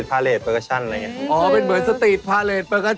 โชว์จากปริศนามหาสนุกหมายเลขหนึ่ง